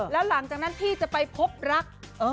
แล้วหลังจากนั้นพี่จะไปพบรัก